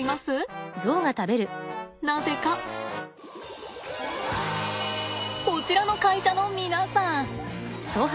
なぜかこちらの会社の皆さん！